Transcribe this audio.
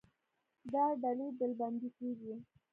دا ډلې ډلبندي کېږي.